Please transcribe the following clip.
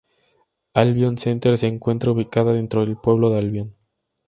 Albion Center se encuentra ubicada dentro del pueblo de Albion.